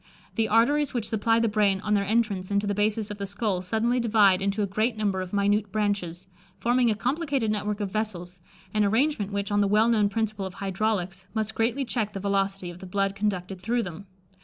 The arteries which supply the brain on their entrance into the basis of the skull suddenly divide into a great number of minute branches, forming a complicated network of vessels, an arrangement which, on the well known principle of hydraulics, must greatly check the velocity of the blood conducted through them.